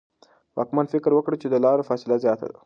واکمن فکر وکړ چې د لارو فاصله زیاته ده.